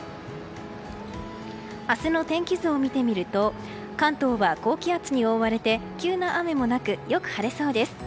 明日の天気図を見てみると関東は高気圧に覆われて急な雨もなくよく晴れそうです。